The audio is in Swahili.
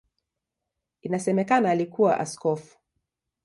Inasemekana alikuwa askofu.